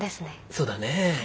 そうだねえ。